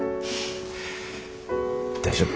大丈夫。